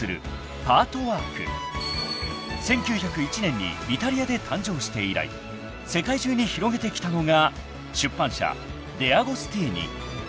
［１９０１年にイタリアで誕生して以来世界中に広げてきたのが出版社デアゴスティーニ］